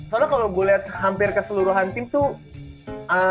soalnya kalo gua liat hampir keseluruhan tim tuh